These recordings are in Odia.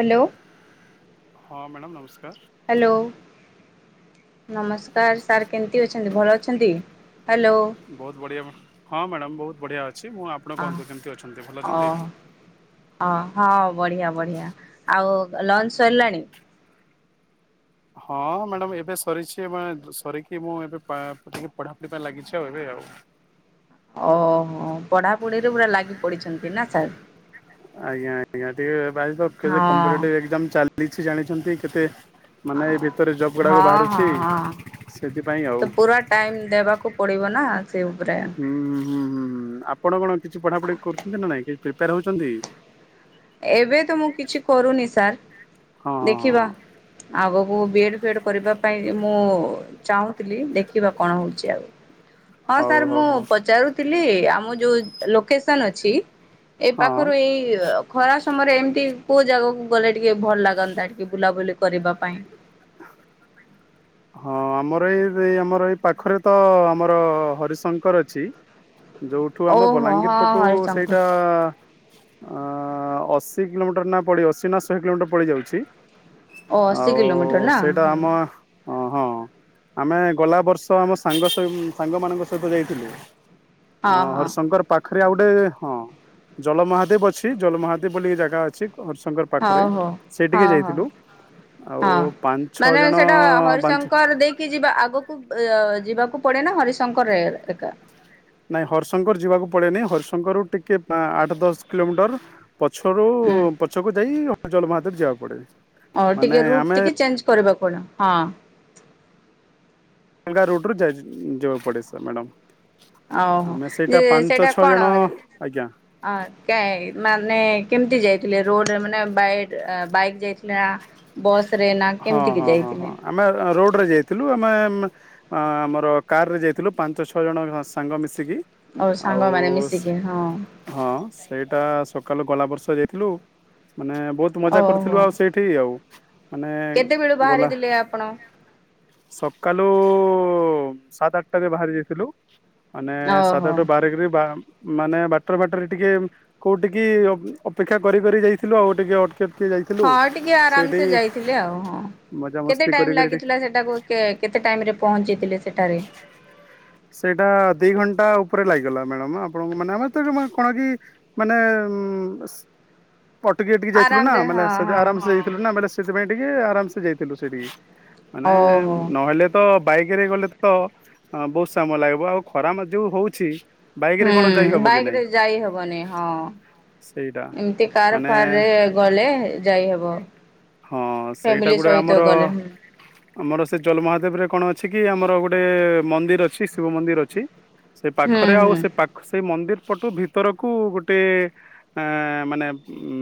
ହ୍ୟାଲୋ ହଁ ମ୍ୟାଡ଼ାମ ନମସ୍କାର ହ୍ୟାଲୋ ନମସ୍କାର ସାର୍ କେମିତି ଅଛନ୍ତି ଭଲ ଅଛନ୍ତି। ହ୍ୟାଲୋ ବହୁତ ବଢିଆ ହଁ ମ୍ୟାଡ଼ାମ ବହୁତ। ବଢିଆ ଅଛି ମୁଁ ଆପଣ ଅ କୁହନ୍ତୁ କେମିତି ଅଛନ୍ତି ଭଲ ଓ ଅଛନ୍ତି। ଅ ହଁ ବଢିଆ ବଢିଆ ଆଉ ଲଞ୍ଚ ସରିଲାଣି? ହଁ ମ୍ୟାଡ଼ାମ ଏବେ ସରିଛି ସରିକି ମୁଁ ଏବେ ଟ ପଢାପଢି ପାଇଁ ଲାଗିଛି ଆଉ ଏବେ ଆଉ। ଓହୋ ପଢାପଢିରେ ପୁରା ଲାଗି ପଡିଛନ୍ତି ନା ସାର୍ ଆଜ୍ଞା ଆଜ୍ଞା ହଁ। ଟିକେ ଚାଲି ସେ ଜାଣିଛନ୍ତି କେତେ? ମାନେ ଏଇ ହଁ ଭିତରେ ଜବ୍ ଗୁଡ଼ାକ ହଁ ବାହାରୁଛି ହଁ ସେଥିପାଇଁ ଆଉ ତ ହୁଁ ପୁରା ଟାଇମ ଦେବାକୁ ପଡିବ ନା ସେ ଉପରେ। ହୁଁ ହୁଁ ହୁଁ ହୁଁ ହୁଁ ଆପଣ କଣ? କିଛି ପଢାଢି କରୁଛନ୍ତି ନା ନାଇଁ କି? ପ୍ରିପେୟାର ହେଉଛନ୍ତି। ଏବେ ତ ମୁଁ କିଛି କରୁନି ସାର୍ ହଁ ହଁ ଦେଖିବା ହଁ ଆଗ ମୁଁ ବିଏଡ଼୍ ଫିଏଡ଼୍ କରିବା ପାଇଁ ମୁଁ ଚାହୁଁଥିଲି ଦେଖ କିିବା କଣ ହଉଛି ଆଉ। ହଁ ସାର୍ ହଉ ମୁଁ ହଉ ହଉ ପଚାରୁଥିଲି। ଆମ ଯୋଉ ଲୋକେସନ ଅଛି। ଏଇ ହଁ ପାଖରୁ ଏଇ ଖରା ସମୟରେ ଏମିତି କୋଉ ଜାଗାକୁ ଗଲେ ଟିକେ ଭଲ ଲାଗନ୍ତା ଟିକେ ବୁଲାବୁଲି କରିବା ପାଇଁ ହଁ ଆମର ଏଇ ଏଇ ଆମର ଏଇ ପାଖରେ ତ ଆମର ହରିଶଙ୍କର ଅଛି। ଯୋଉଠୁ ଆମ ଓହୋ ହଁ ବଲାଙ୍ଗୀର ପଟୁ ହରିଶଙ୍କର ସେଇଟା ଅ ଅଶୀ କିଲୋମିଟର ନା ପଡି ଅଶୀ ନା ଶହେ କିଲୋମିଟର ପଡିଯାଉଛି। ଓ ଅଶୀ କିଲୋମିଟର ନା ହ ଓ ହଁ ଆମେ ଗଲା ବର୍ଷ ଆମ ସାଙ୍ଗ ସାଙ୍ଗ ମାନଙ୍କ ସହିତ ଯାଇଥିଲୁ। ଅ ହଁ ହଁ। ହରିଶଙ୍କର ପାଖ ପାରେ ଆଉ ଗୋଟେ ହଁ ଜଳମହାଦେବ ଅଛି ଜଳମହାଦେବ ବୋଲି ଜାଗା ଅଛି। ହରିଶଙ୍କର ହଉ ପାଖରେ ହଉ ସେ ଟିକେ ହଁ ହଁ ଯାଇଥିଲୁ ଆଉ ପାଞ୍ଚ ଛଅ ଜଣ ପାଞ୍ଚ ଶଙ୍କର ଦେଇକି ଯିବା ଆଗକୁ ଯିବାକୁ ପଡେ ନା ହରିଶଙ୍କର ଏକା ନାଇଁ ହରିଶଙ୍କର ଯିବାକୁ ପଡେନି ହରିଶଙ୍କର ଟିକେ ଆଠ ଦଶ କିଲୋମିଟର ପଛରୁ ହୁଁ ପଛକୁ ଯାଇ ଚଲ ବାହାତରେ ଯିବା ପଡିବେ। ହଉ ଟିକେ ରୁଟ ଟିକେ ଚେଞ୍ଜ କରିବାକୁ ହଁ ଙ୍ଗା ରୋଟରୁ ଯିବାକୁ ପଡ ସ ମ୍ୟାଡ଼ାମ ଓହୋ ଆମେ ସେଇଟା ଯେ ପାଞ୍ଚ ସେଇଟା ଛଅ କଣ ଜଣ ଆଜ୍ଞା ମାନେ କେମତି ଯାଇ ଥିଲେ ରୋଡରେ ମାନେ ବ ବାଇକ୍ ଯାଇଥିଲେ ନା ବସ୍ ହଁ ହଁ ହଁ ହଁ ଆମେ ରୋ ରେ ଯାଇଥିଲୁ ଆମେ ଆମର କାର ରେ ଯାଇଥିଲୁ ପାଞ୍ଚ ଛଅ ଜଣ ସାଙ୍ଗ ମିଶିକି ଓ ଆଉ ସାଙ୍ଗମାନେ ମିଶିକି ହଁ ହଁ ସେଇଟା ସକାଳୁ ଗଳା ବର୍ଷ ଯାଇଥିଲୁ। ମାନେ ବହୁତ ମଜା କରିଥିଲୁ ଓହୋ। ଆଉ ସେଇଠି ଆଉ। ମାନେ କେତେବେଳୁ ଗଲା ବାହାରିଥିଲେ ଆପଣ? ସକାଳୁ ସାତ ଆଠଟାରେ ବାହାରି ଯାଇଥିଲୁ। ମାନେ ସାତ ଓହୋ ଆଠଟା ବାରଗରେ ବା ମାନେ ବାଟର ବାଟରେ ଟିକେ କୋଉଠିକି ଅପେକ୍ଷା କରି କରି ଯାଇଥିଲୁ ଆଉ ଟିକେ ଅଟକ ହଁ ଟିକେ ଆରାମ ସେେ ଯାଇଥିଲି। ହ କେତେ ମଜାମସ୍ତି ଟାଇ କରିକିରି ଟିକେ ଲାଗିଥିଲା ସେଟାକୁ କେେ ଟାଇରେ ପହଞ୍ଚିଥିଲେ ସେଠାରେ? ସେଇଟା ଦି ଘଣ୍ଟା ଉପରେ ଲାଗିଗଲା ମ୍ୟାଡାମ ଆପଣଙ୍କୁ ମାନେ ଆମେ ତ କଣ କି ମାନେ ଉ ଅଟକି ଅଟିକି ଯଥିଲୁ ନା ଆରାମରେ ମାନେ ହଁ ସେ ହଁ ଆରାମ ସେ ହଁ ଯାଇଥିଲୁ ନା ବଲେ ସେଥିପାଇଁ ଟିକେ ଆରାମ ସେ ଯାଇଥିଲୁ ସେଠିକି। ମାନେ ଓହୋ। ନହେଲେ ତ ବାଇକ ରେ ଗଲେ ତ ବହୁତ ମ ଲାଗିବ ଆଉ ଖରାମ ଯୋଉ ହଉଛି। ବାଇକ ହୁଁ ରେ କଣ ଯାଇ ହବ କି ବାଇକ ନାଇଁ ରେ ଯାଇହବନି ହଁ ସେଇଟା ଏମିତି କାର ମାନେ ଫାର ରେ ଗଲେ ଯାଇହବ ହଁ ସେଇଟା ଫ୍ୟାମିଲି ଗୋଟେ ସହିତ ଆମର ଗଲେ ହଁ। ଆମର ସେ ଜଲମହାଦେବ ରେ କଣ ଅଛି କି ଆମର ଗୋଟେ ମନ୍ଦିର ଅଛି। ଶିବ ମନ୍ଦିର ଅଛି। ସେ ହୁଁ ପାଖରେ ଆଉ ହୁଁ ସେ ପାଖ ସେଇ ମନ୍ଦିର ପଟୁ ଭିତରକୁ ଗୋଟେ ଆ ମାନେ ଉ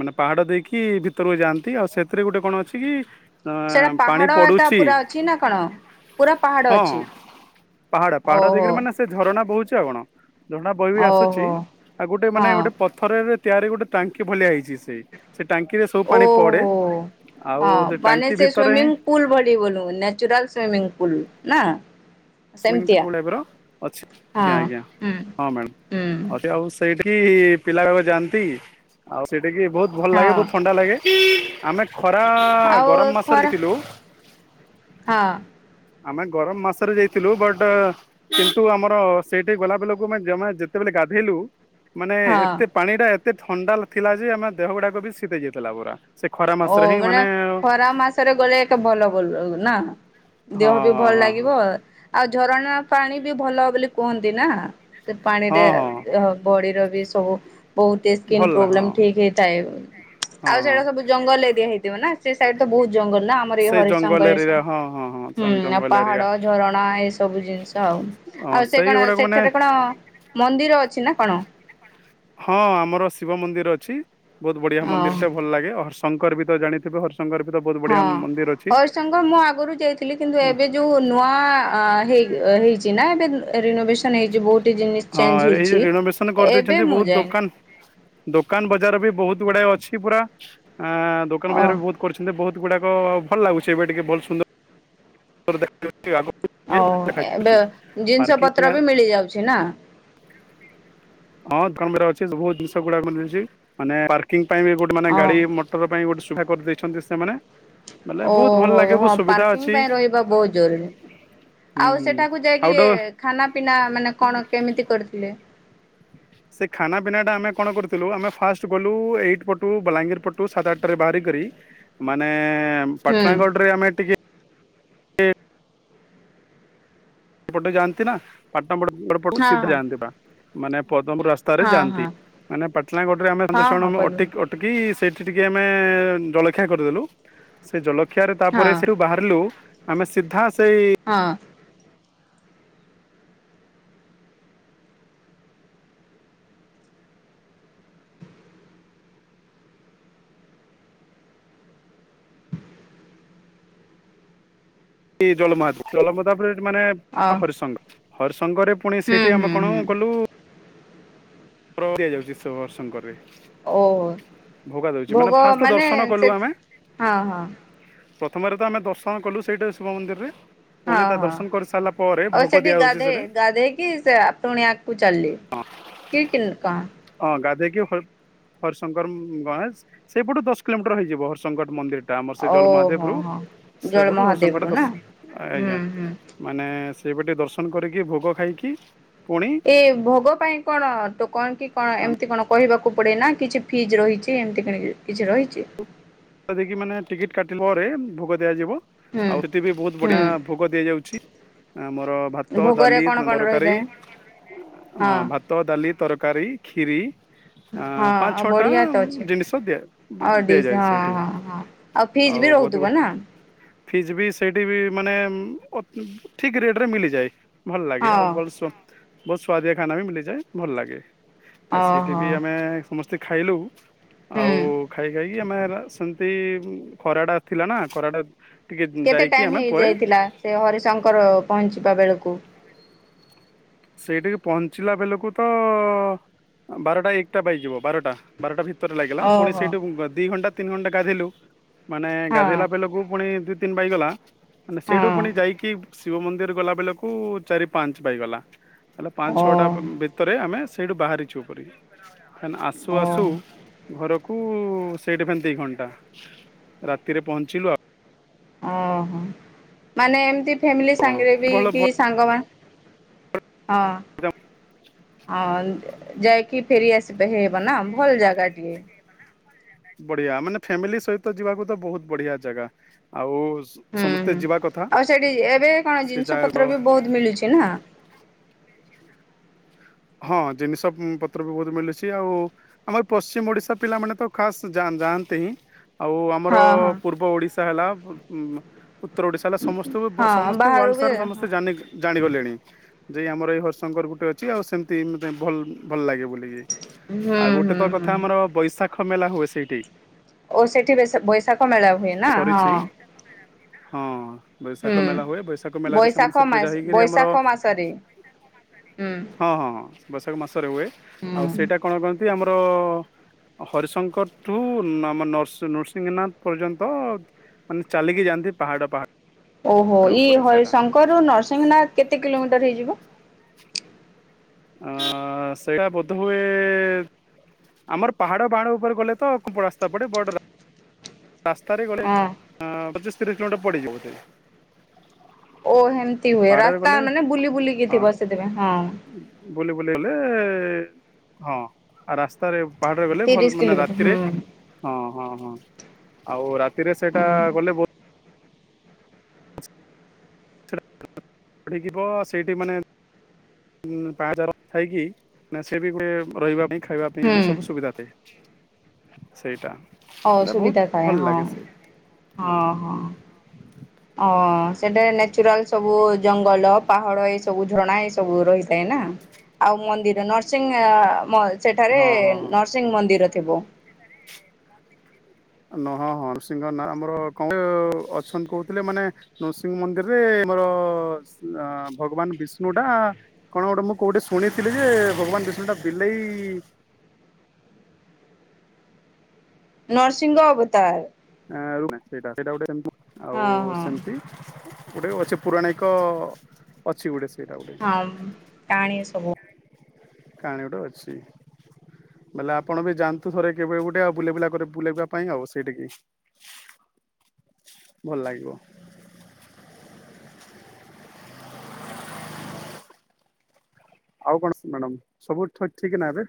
ମାନେ ପାହାଡ ଦେଇକି ଭିତରକୁ ଯାଆନ୍ତି ଆଉ ସେଥିରେ ଗୋଟେ କଣ ଅଛି କି? ଅ ସେଟା ପାଣି ପାହାଡ ଆଗା ପଡୁଛି ପୁରା ଅଛି ନା କଣ ପୁରା ପାହାଡ ଅଛି? ପାହାଡା ପାହାଡା ଓହୋ ଦେଖି ମାନେ ସେ ଝଣ ବହୁଛି ଆଉ କଣ? ଝଣ୍ଡା ବହି ବି ଆସୁଛି ଓହୋ ଆଉ ଗୋଟେ ମାନେ ହଁ ଗୋଟେ ପଥରରେ ଚାରିପଟେ ଗୋଟେ ଟାଙ୍କି ଭଳିଆ ହେଇଛି ସେ ଟାଙ୍କିରେ ସବୁ ପାଣି ଓହୋ ପଡେ ଆଉ ହଁ ସେ ବାନ ଟାଙ୍କି ସେ ଭିତରେ ହିଁ ସ୍ୱଇମିଙ୍ଗ ପୁଲ ଭଳି ବୋଲୁ ନେଚୁରଲ ସ୍ଵିମିଂ ପୁଲ ନା? ସେମିତିଆ ମବ ଅଛି ହଁ ଆଜଞା ଆଜ୍ଞା ହୁଁ ହଁ ହୁଁ ମ୍ୟାଡ଼ ଆଉ ସେଇ ସେଠି ପିଲା ଗାକ ଯାଆନ୍ତି ଆଉ ସେ ଦେଖି ବହୁତଲ ଲାଗେ ହଁ ବହୁତ ଥଣ୍ଡା ଲାଗେ। ଆମେ ଖରା ଆଉ ଗରମ ମାସଲ ଖରା ଦଥିଲୁ ହଁ ଆମେ ଗରମ ମାସରେ ଯାଇ ଥିଲୁ ବଟ୍ କିନ୍ତୁ ଆମର ସେଇଠି ଗୋଲାପିଲକୁମେ ଯେତେବେଳେ ଗାଧେଇଲୁ। ମାନେ ହଁ। ଏତେ ପାଣି ଟା ଏତେ ଥଣ୍ଡା ଥିଲା ଯେ ଆମେ ଦେହ ଗୁଡାକ ବି ଶିତେଇ ଯାଇଥିଲା ପୁରା ସେ ଖରା ଓ ମାସରେ ହିଁ ମାନେ ଖରା ମାସରେ ଗଲେ ଏକେ ଭଲ ନା ନା ହଁ ଦେହ ବି ଭଲ ହଁ ଲାଗିବ। ଆଉ ଝରଣା ପାଣି ବି ଭଲ ବୋଲି କୁହନ୍ତି ନା ସେ ହଁ ପାଣିରେ ହଁ ହଁ ହଁ ଦେହ ବଡିର ବି [inaudible] ବହୁତ ସ୍କିନ ଭଲ ହଁ ପ୍ରୋବ୍ଲେମ ଠିକ ହେଇଥାଏ ହଁ ଆଉ ହଁ। ସେଇଟା ସବୁ ଜଙ୍ଗଲ ଏରିଆ ହେଇଥିବ ନା ସେ ସାଇଡ ବହୁତ ଜଙ୍ଗଲ ନା ଆମର ଏଇ ସେଇ ଜଙ୍ଗଲ ଏରିଆ ହରିଶଙ୍କର ହଁ ହଁ ହଁ ହୁଁ ଆଉ ଜଙ୍ଗଲ ଏରିଆ ପାହାଡ ଝରଣା ଏ ସବୁ ଜିନ୍ସ ହଁ ଆଉ ସେ କଣ ସେଇଗୁଡାକ ମାନେ ସେଇଠି କଣ ମନ୍ଦିର ଅଛି ନା କଣ? ହଁ ଆମର ଶିବ ମନ୍ଦିର ଅଛି ବହୁତ ବଢିଆ ମନ୍ଦିର ଅ ଟେ ଭଲ ଲାଗେ ଶଙ୍କର ବି ତ ଜାଣିଥିବେ ହରିଶଙ୍କର ବି ତ ବହୁତ ହଁ ବଢିଆ ହରିଶଙ୍କର ମୁଁ ଆଗରୁ ଯାଇଥିଲି। କିନ୍ତୁ ଏବେ ଯୋଉ ନୂଆ ହେଇ ହେଇଛି ନା ଏବେ ରିନୋଭେସନ ହେଇଛି ବହୁତ ଜିନିଷ ଚେଞ୍ଜ ହଁଏ ହେଇଛି ଯଉ ରେନୋଭେସନ ଏବେ କରିଦେଇଛନ୍ତି ମୁଁ ବହୁତ ଯାଏନି। ଦୋକାନ ଦୋକାନ ବଜାର ବି ବହୁତ ଗୁଡାଏ ଅଛି ପୁରା ଆ ଦୋକାନ ଓ ବଜାର ବି ବହୁତ କରିଛନ୍ତି ବହୁତ ଗୁଡାକ ଭଲ ଲାଗୁଛି ଏବେ ଟିକେ ଭଲ ସୁନ୍ଦର [inaudible] ଓ ଏବେ ଦେଖାଯାଉଛି ଜିନିଷ ପାର୍କିଂ ପତ୍ର ବି ମିଳି ଯାଉଛି ନା ହଁ ପ୍ରମ୍ ରେ ଅଛି ସବୁ ଜିନିଷ ଗୁଡାକ ମିଲୁଛି ମାନେ ପାର୍କିଂ ପାଇଁ ବି ମାନେ ଗୋଟେ ଗାଡ଼ି ମାନେ ଓ ଗାଡି ମଟର ପାଇଁ ଅଛି। କରିଦେଇଛନ୍ତି ସେମାନେ ବୋଲେ ବହୁତ ଭଲ ଓହୋ ଲାଗେ ହଁ ବହୁତ ସୁବିଧା ପାର୍କିଂ ଅଛି ପାଇଁ ରହିବା ବହୁତ ଜରୁରୀ ହୁଁ ଆଉ ହୁଁ ସେଠାକୁ ଆଉ ଯାଇକି ଗୋଟେ ଖାନା ପିନା ମାନେ କଣ କେମିତି କରିଥିଲେ। ସେ ଖାନା ପିନା ଟା ଆମେ କଣ କରିଥିଲୁ ଆମେ ଫାଷ୍ଟ ଗଲୁ ଏଇ ପଟୁ ବଲାଙ୍ଗୀର ପଟୁ ସାଢେ ଆଠଟାରେ ବାହାରି କରି ମାନେ ହୁଁ ପାଟଣାଗଡ଼ ଆମେ ଟିକେ ଏପଟେ ଯାଆନ୍ତି ନା ପାଟଣାଗଡ଼ ପଟୁ ହଁ ସିଧା ହଁ ଯାଆନ୍ତି ବା ମାନେ ପଦ୍ମପୁର ରାସ୍ତାରେ ହଁ ଯାଆନ୍ତି ହଁ ମାନେ ପାଟନାଗଡରେ ଆମେ ପାଞ୍ଚ ହଁ ଛଅ ଜଣ ହଁ ପଦ୍ମ ଯାକ ଅଟକି ସେଠି ଟିକେ ଆମେ ଜଲଖିଆ କରିଦେଲୁ ସେ ଜଲ ସିଆଡେ ତାପରେ ହଁ ସେଠୁ ବାହାରିଲୁ। ଆମେ ସିଧା ସେଇ ହଁ। କିଏ ଜଲମା ଜଲମ ତାପରେ ମାନେ ଓ ହରିଶଙ୍ଗ। ହର୍ଷ। ସଙ୍ଗରେ ପୁଣି ହୁଁ ସେଇଠି ଆମେ ହୁଁ କଣ ହୁଁ କଲୁ ର ଦିଆଯାଉଛି ସେ ହରି ଶଙ୍କର ରେ। ଓହୋ। ଭୋଗ ଫାଷ୍ଟ ମାନେ ଦର୍ଶନ କଲୁ ସେଠ୍ ଆମେ ହଁ ହଁ ପ୍ରଥମରେ ତ ଆମେ ଦର୍ଶନ କଲୁ ସେଇଟା ଶିବ ମନ୍ଦିରରେ ହଁ ପୁଣି ତା ହଁ ଦର୍ଶନ କରି ସାରିଲା ପରେ ଆଉ ଭୋଗ ସେଠି ଦିଆହଉଛି ଗାଧେଇ ସେଠି ଗାଧେଇକି ସେ ପୁଣି ଆଗକୁ ଚାଲେ କି କିଲ୍ କଣ? ହର୍ ହରିଶଙ୍କର ବାସ୍ ସେଇପଟୁ ଦଶ କିଲୋମିଟର ହେଇଯିବ ହରିଶଙ୍କର ମନ୍ଦିର। ଟା ଆମର ସେ ଜଲ ମହାଦେବ ଓହୋ ରୁ ହୋ ଜଳ ସେପଟୁ ହରି ଶଙ୍କରଟା ମହାଦେବରୁ ନା ଦସ୍ ହୁଁ ଆଜ୍ଞା ହୁଁ ମାନେ ସେଇପଟେ ଦର୍ଶନ କରିକି ଭୋଗ ଖାଇକି ପୁଣି ଏ ଭୋଗ ପାଇଁ କଣ ଟୋ କଣ କି କଣ ଏମିତି କଣ କହିବାକୁ ପଡେ ନା କିଛି ଫିଜ୍ ରହିଛି, ଏମିତି କିଣକି ଦେଖି ମାନେ ଟିକିଟ୍ କାଟ୍ ପରେ ଭୋଗ ଦିଆଯିବ। ହୁଁ ଆଉ ସେଠି ବି ବହୁତ ହୁଁ ବଢିଆ ଭୋଗ ଦିଆଯାଉଛି, ଆମୋର ଭାତ, ଭୋଗରେ ଡାଲି, କଣ କଣ ତରକାରୀ, ରହିଥାଏ ହଁ ଭାତ, ଡାଲି, ତରକାରୀ, ଖିରି। ଆ ହଁ ପାଞ୍ଚ ଆଉ ଛଅଟା ବଢିଆ ତ ଅଛି ଜିନିଷ ଦିଆ ଆଉ ଡିଶ୍ ଦିଆଯାଏ ହଁ ସେଇଠି ହଁ ହଁ ଆଉ ଫିଜ ବି ରହୁଥିବ ନା। ଫିଜ ବି ସେଇଠି ବି ମାନେ ଉ ଅତ୍ ଠିକ ରେଟ୍ ରେ ମିଳିଯାଏ। ଭଲ ଲାଗେ ଆଉ ହଁ ବର୍ଷ ବହୁତ ସୁ୍ୱାଦିଆ ଖାନା ବି ମିଲିଯାଏ, ଭଲ ଲାଗେ। ଆ ଓହୋ ସେଟି ଆମେ ସମଶ୍ ସେ ଖାଇଲୁ। ଆଉ ହୁଁ କହିକି ଆମେ ରା ସେମିତି ଖରାଟା ଥିଲା ନା ଖରାଟା ଟିକେ କେତେ ଯାଇକି ଟାଇମ ଆମେ ପରେ ହେଇଯାଇଥିଲା ସେ ହରିଶଙ୍କର ପହଞ୍ଚିବା ବେଳକୁ? ସେଇଠିକି ପହଞ୍ଚିଲା ବେଲକୁ ତ ବାରଟା ଏକଟା ବାଜିଯିବ ବାରଟା ବାରଟା ଭିତ ଉପରେ ଲାଗିଲା ପୁଣି ଓହୋ। ସେଇଠୁ ଦି ଘଣ୍ଟା ତିନ ଘଣ୍ଟା ଗାଧିଲୁ। ମାନେ ହଁ ଗାଧେଇଲା ବେଲକୁ ପୁଣି ତିନ ବାଜିଗଲା ମାନେ ହଁ ସେଇଠୁ ପୁଣି ଯାଇକି ଶିବ ମନ୍ଦିର ଗଲା ବେଳକୁ ଚାରି ପାଞ୍ଚ ପାଇଗଲା ତାଲେ ପାଞ୍ଚ ଓ ଛଅଟା ଭିତରେ ଆମେ ସେଇଠୁ କ ଆସୁ ଓ ଆସୁ ଘର କୁ ସେଇଠି ଫିନି ଦି ଘଣ୍ଟା ରାତିରେ ପହଞ୍ଚିଲୁ ଆଉ ଓହୋ ମାନେ ଏମତି ଫାମିଲି ଆଉ କଣ ସାଙ୍ଗରେ ବି ଭଲ କି ସାଙ୍ଗମାନ ହଁ ହଁ ଯାଇକି ଫେରି ଆସିବା ହେଇବ ନା ଭଲ ଜାଗା ଟିଏ। ବଢିଆ ମାନେ ଫ୍ୟାମିଲି ସହିତ ଯିବାକୁ ତ ବହୁତ ବଢିଆ ଜାଗା ଆଉ ହୁଁ ସମସ୍ତେ ହୁଁ ଯିବା କଥା ଆଉ ସେଠି ଏବେ କଣ ସେ ଜିନିଷ ଜାଗାର ପତ୍ର ବି ବହୁତ ମିଳୁଛି ନା ହଁ ଜିନିଷ ପତ୍ର ବି ବହୁତ ମିଲୁଛି, ଆଉ ଆମର ପଶ୍ଚିମ ଓଡିଶା ପିଲାମାନେ ତ ଖାସ ଯାଆନ୍ତି। ଆଉ ଆମର ହଁ ହଁ। ପୂର୍ବ ଓଡ଼ିଶା ହେଲା ଉ ଉତ୍ତର ଓଡିଶା ହେଲା ସମସ୍ତଙ୍କୁ ହଁ ସମସ୍ତେ ବାହାରୁ ୱାର୍ଲଡ ବି ସାର୍ ସମସ୍ତେ ହୁଁ ଜାଣିଗଲେଣି। ଯଇ ଆମ ଏଇ ହଟିଶଙ୍କର ଗୋଟେ ଅଛି ଆଉ ସେମିତି ମୋତେ ଭଲ ଭଲ ଲାଗେ ବୋଲିକି। ଆଉ ଗୋଟେ ହୁଁ ତ ହୁଁ। କଥା ଆମର ବୈଶାଖ କ୍ଷ ମେଲା ହୁଏ ସେଇଠି ଓ ସେଠି ବ ବୈଶାଖ ମେଳା ହୁଏ ନା ହଁ। ସରିଛି ହଁ। ବୈଶାଖ ହୁଁ। ମେଲା ହୁଏ ବୈଶାଖ ମେଲାରେ ସେମାନେ ସେ ବୈଶାଖ ପୂଜା ମାସ ହେଇକରି ଆମର ବୈଶାଖ ମାସରେ ହୁଁ ହଁ ହଁ ହଁ। ବୈସାଖ ମାସରେ ହୁଏ ଆଉ ହୁଁ। ସେଇଟା କଣ କହନ୍ତି? ଆମର ହରିଶଙ୍କରଠୁ ଆମ ନୃସିଂହନାଥ ପର୍ଯ୍ୟନ୍ତ ମାନେ ଚାଲିକି ଯାଆନ୍ତି ପାହାଡ ପାହାଡ ଓହୋ ଇ ଉପରେ ସେଇଟା ହରିଶଙ୍କରରୁ ନରସିଂହନା କେତେ କିଲୋମିଟର ହେଇଯିବ? ଅ ସେଇଟା ବୋଧ ହୁଏ ଆମର ପାହାଡ ପାହାଡ ଉପରେ ଗଲେ ତ ରାସ୍ତା ପଡେ ବଡ ରାସ୍ତାରେ ଗଲେ ହଁ। ପ ତିରିଶ କିଲୋ ମିଟର ପଡିଯାଉଥିବେ ଓ ହେମତି ହୁଏ ରାସ୍ତା ମାନେ ବୁଲି ବୁଲିକି ଥିବ ସେଥିପାଇଁ ହଁ ଲେ ହଁ ରା ତାରେ ପାହାଡରେ ଗଲେ ଭଲ ତିରିଶ ମାନେ କିଲୋମିଟର ହୁଁ ରାତିରେ ହଁ ହଁ ହଁ। ଆଉ ରାତିରେ ସେଇଟା ହୁଁ ଗଲେ ବହୁତ ସେଇଠି ମାନେ ପାଞ୍ଚାର ଥାଇକି ସେ ବି ଗୋଟେ ରହିବା ପାଇଁ ଖାଇବା ପାଇଁ ହୁଁ ଆ ସବୁ ସୁବିଧା ଥାଏ। ସେଇଟା। ଓ ହେଲେ ବହୁତ ସୁବିଧା ଥାଏ ଭଲ ହଁ ଲାଗେ ସେ ହଁ ହଁ। ଓ ସେଠାରେ ନେଚୁରାଲ ସବୁ ଜଙ୍ଗଲ ପାହାଡ଼ ଏ ସବୁ ଝରଣା ଏ ସବୁ ରହିଥାଏ ନା ଆଉ ମନ୍ଦିର ନରସିଂହ ମ ସେଠାରେ ହଁ ହଁ ହଁ। ନରସିଂହ ମନ୍ଦିର ଥିବ। ନ ହଁ ହଁ ନୃସିଂହ ନା ଆମର କଣ ଅଛନ୍ତି କହୁଥିଲେ ମାନେ ନୃସିଂହ ମନ୍ଦିରରେ ମୋର ଭଗବାନ୍ ବିଷ୍ଣୁ ଟା କଣ ଗୋଟେ ମୁଁ କୋଉଟେ ଶୁଣିଥିଲି ଯେ ଭଗବାନ୍ ବିଷ୍ଣୁ ଟା ବିଲେଇ ନର୍ସିଂହ ଅବତାର୍। ଆଉ ହଁ ହଁ। ସେମ୍--ତି ଗୁଟେ ଅଛି ପୁରାଣିକ ଅଛି ଗୁଟେ‌ ହଁମ୍ ଟାଣି ସବୁ କାହାଣୀ ଗୋଟେ ଅଛି। ବେଲେ ଆପଣ ବି ଯାଆନ୍ତୁ ଥରେ କେବେ ଗୋଟେ ଆଉ ବୁଲେବୁଲା କରି ବୁଲେଇବା ପାଇଁ ଆଉ ସେଇଠିକି। ଭଲ୍ ଲାଗିବ। ଆଉ କଣ ମ୍ୟାଡ଼ାମ୍ ସବୁ ଠ ଠିକ୍ ନା ଏବେ?